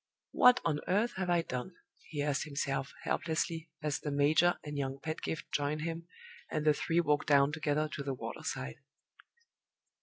"What on earth have I done?" he asked himself, helplessly, as the major and young Pedgift joined him, and the three walked down together to the water side.